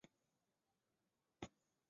乾隆年间以内阁学士致仕。